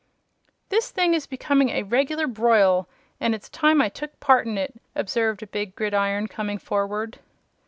"This thing is becoming a regular broil, and it's time I took part in it," observed a big gridiron, coming forward.